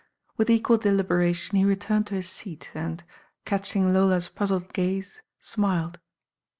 With equal deliberation he returned to his seat and, catching Lola's puzzled gaze, smiled.